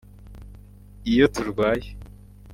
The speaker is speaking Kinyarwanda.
Iyo turwaye